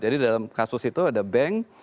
jadi dalam kasus itu ada bank